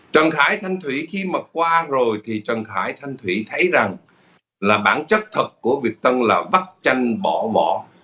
trần khải thanh thủy khi mà qua rồi thì trần khải thanh thủy thấy rằng là bản chất thật của việt tân là vắt tranh bỏ bỏ